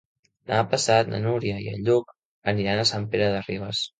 Demà passat na Núria i en Lluc aniran a Sant Pere de Ribes.